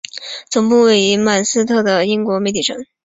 总部位于曼彻斯特的英国媒体城。